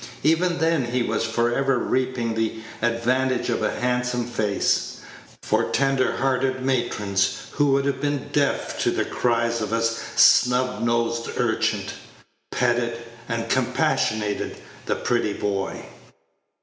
Even then he was for ever reaping the advantage of a handsome face; for tender hearted matrons, who would have been deaf to the cries of a snub nosed urchin, petted and compassionated the pretty boy.